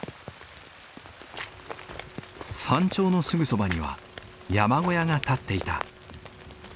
山頂のすぐそばには山小屋が建っていた。